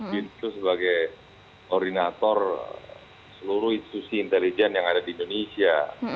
bin itu sebagai orinator seluruh institusi intelijen yang ada di indonesia